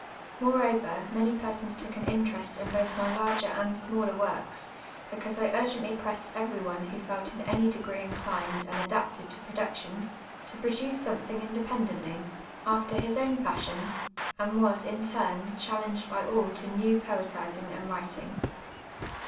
Moreover, many persons took an interest in both my larger and smaller works, becau.se I ur<;ently ])ressed ever}' one who felt in any dep ce inclined and ada])ted to production, to j)roduce somethinu; in dependently, after his own fashion, and was, in tuni, chal leuijed by all to new poetisin*; and writin«j.